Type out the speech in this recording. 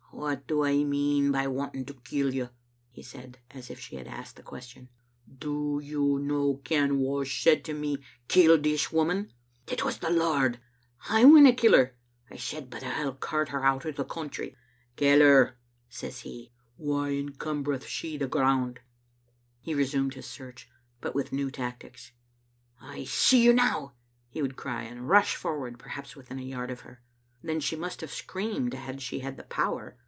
"What do I mean by wanting to kill you?" he said, as if she had asked the question. " Do you no ken wha said to me, *Kill this woman?' It was the Lord. *I winna kill her,' I said, *but I'll cart her out o' the coun try.' *Kill her,' says He; 'why encumbereth she the ground?' " He resumed his search, but with new tactics. " I see you now," he would cry, and rush forward perhaps within a yard of her. Then she must have screamed had she had the power.